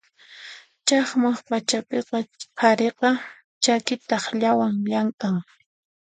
Chaqmay pachapiqa qhariqa chaki takllawan llamk'an.